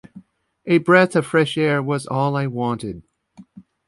A breath of fresh air was all I wanted.